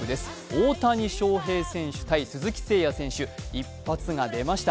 大谷翔平選手対鈴木誠也選手、一発が出ました。